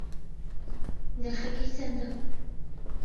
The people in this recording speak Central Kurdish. نرخەکەی چەندە؟